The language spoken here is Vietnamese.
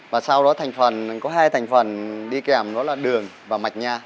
và sau đó có hai thành phần đi kèm đó là đường và mạch nha